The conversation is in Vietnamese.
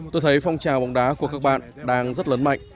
tôi thấy phong trào bóng đá của các bạn đang rất lớn mạnh